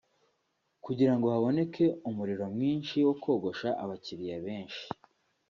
Kugira ngo haboneke umuriro mwinshi wo kogosha abakiriya benshi